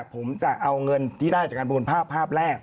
ผมจะเอาเงินที่ได้จากการประมูลภาพภาพแรก